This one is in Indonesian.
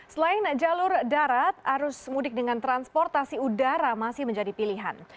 selain jalur darat arus mudik dengan transportasi udara masih menjadi pilihan